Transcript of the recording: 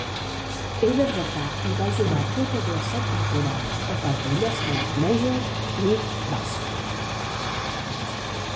Era dretà i va jugar totes les set temporades o part d'elles a la Major League Baseball.